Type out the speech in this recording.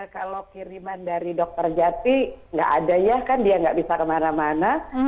kalau kiriman dari dokter jati nggak ada ya kan dia nggak bisa kemana mana